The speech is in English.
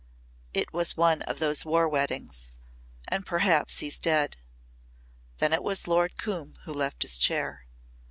"It was one of those War weddings. And perhaps he's dead." Then it was Lord Coombe who left his chair.